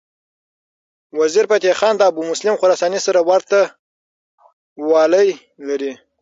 وزیرفتح خان د ابومسلم خراساني سره ورته والی لري.